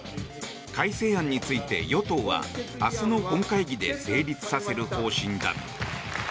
改正案について、与党は明日の本会議で成立させる方針だ。